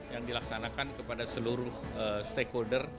yang dilaksanakan kepada seluruh stakeholder